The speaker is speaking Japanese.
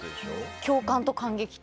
共感と感激と。